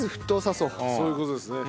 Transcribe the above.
そういう事ですね。